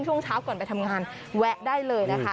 ช่วงเช้าก่อนไปทำงานแวะได้เลยนะคะ